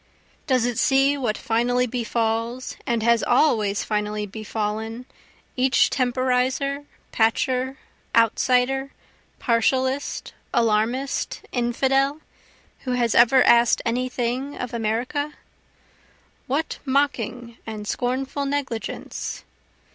Does it see what finally befalls, and has always finally befallen, each temporizer, patcher, outsider, partialist, alarmist, infidel, who has ever ask'd any thing of America? What mocking and scornful negligence?